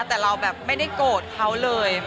แต่เราแบบไม่ได้โกรธเขาเลย